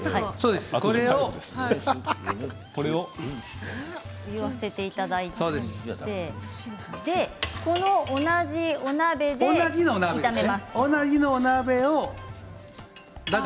お湯を捨てていただいて同じお鍋で炒めます。